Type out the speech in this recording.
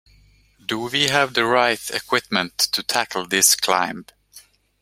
Do we have the right equipment to tackle this climb?